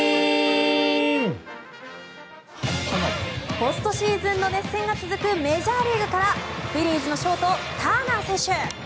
ポストシーズンの熱戦が続くメジャーリーグからフィリーズのショートターナー選手。